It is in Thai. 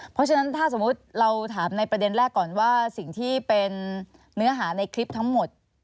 เพราะฉะนั้นถ้าสมมุติเราถามในประเด็นแรกก่อนว่าสิ่งที่เป็นเนื้อหาในคลิปทั้งหมด